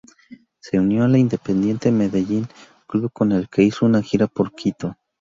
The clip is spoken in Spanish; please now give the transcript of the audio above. Se unió al Independiente Medellín, club con el que hizo una gira por Quito.